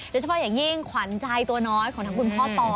โดยเฉพาะอย่างยิ่งขวัญใจตัวน้อยของทั้งคุณพ่อปอ